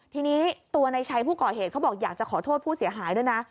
ทีนี้ตัวในชัยผู้ก่อเหตุเขาบอกอยากจะขอโทษผู้เสียหายด้วยนะ